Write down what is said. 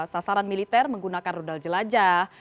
sasaran militer menggunakan rudal jelajah